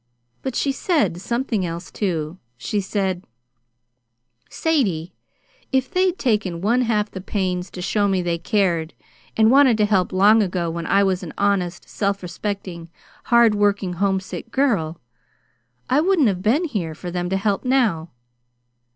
But she said something else, too. She said: "'Sadie, if they'd taken one half the pains to show me they cared and wanted to help long ago when I was an honest, self respectin', hard workin' homesick girl I wouldn't have been here for them to help now.'